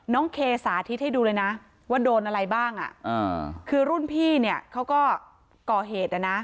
น้องเคนามสาธิตให้ดูเลยนะว่าโดนอะไรบ้างคือรุ่นพี่เขาก็ก่อเหตุ